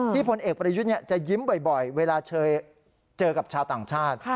พลเอกประยุทธ์จะยิ้มบ่อยเวลาเจอกับชาวต่างชาติ